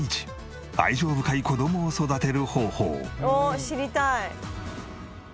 おっ知りたい。